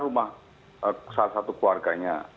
rumah salah satu keluarganya